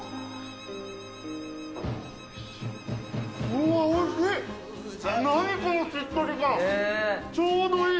うわー、おいしい。